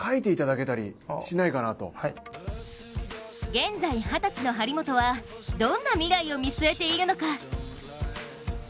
現在二十歳の張本はどんな未来を見据えているのか。